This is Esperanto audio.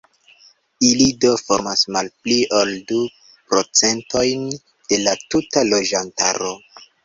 Ili do formas malpli ol du procentojn de la tuta loĝantaro.